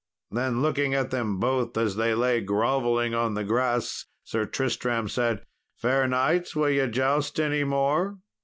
Then, looking at them both as they lay grovelling on the grass, Sir Tristram said, "Fair knights, will ye joust any more?